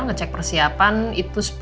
ngecek persiapan itu sepuluh